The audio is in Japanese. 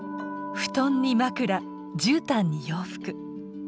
布団に枕じゅうたんに洋服。